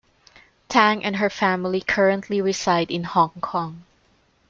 Tang and her family currently reside in Hong Kong.